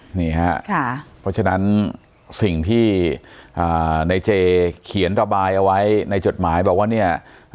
เพราะฉะนั้นสิ่งที่ในเจเขียนระบายเอาไว้ในจดหมายบอกว่าเนี่ย